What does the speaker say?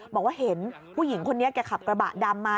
บอกว่าเห็นผู้หญิงคนนี้แกขับกระบะดำมา